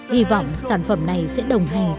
khi phải chứng kiến đồng bào mình